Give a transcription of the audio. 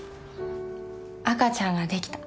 赤ちゃんができた。